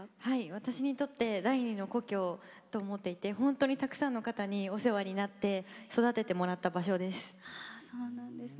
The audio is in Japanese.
私にとって第２の故郷と思っていて本当にたくさんの方にお世話になって育ててもらった場所です。